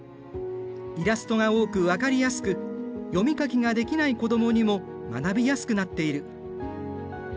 イラストが多く分かりやすく読み書きができない子どもにも学びやすくなっている。